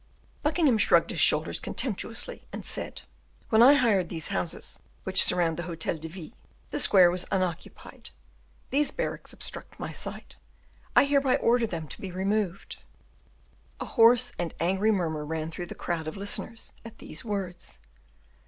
Buckingham shrugged his shoulders contemptuously, and said, "When I hired these houses which surround the Hotel de Ville, the square was unoccupied; these barracks obstruct my sight; I hereby order them to be removed." A hoarse and angry murmur ran through the crowd of listeners at these words.